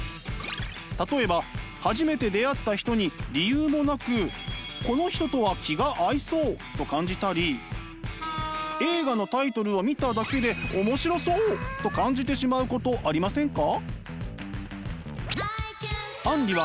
例えば初めて出会った人に理由もなくこの人とは気が合いそう！と感じたり映画のタイトルを見ただけで面白そう！と感じてしまうことありませんか？